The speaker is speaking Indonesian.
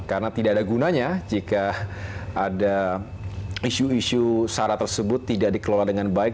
karena tidak ada gunanya jika ada isu isu sarah tersebut tidak dikeluarkan dengan baik